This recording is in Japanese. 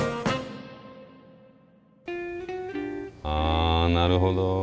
ああなるほど。